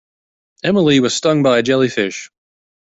Emily was stung by a jellyfish.